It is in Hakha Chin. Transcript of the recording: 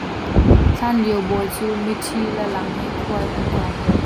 Hlanlio bawi cu miṭhi lalang he khual an tlawng tawn.